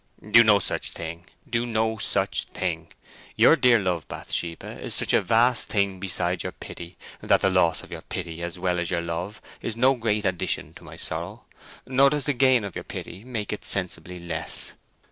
"Do no such thing—do no such thing. Your dear love, Bathsheba, is such a vast thing beside your pity, that the loss of your pity as well as your love is no great addition to my sorrow, nor does the gain of your pity make it sensibly less.